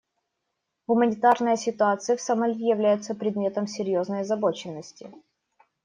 Гуманитарная ситуация в Сомали является предметом серьезной озабоченности.